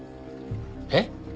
えっ？